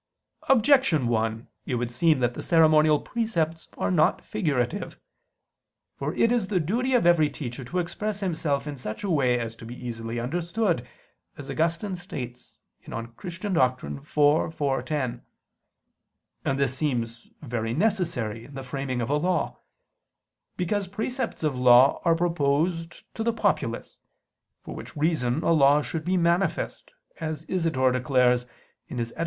Objection 1: It would seem that the ceremonial precepts are not figurative. For it is the duty of every teacher to express himself in such a way as to be easily understood, as Augustine states (De Doctr. Christ. iv, 4, 10) and this seems very necessary in the framing of a law: because precepts of law are proposed to the populace; for which reason a law should be manifest, as Isidore declares (Etym.